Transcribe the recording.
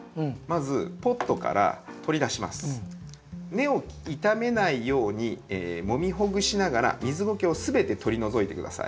根を傷めないようにもみほぐしながら水ゴケをすべて取り除いてください。